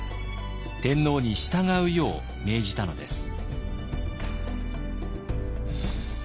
天皇に従うよう命じたのです。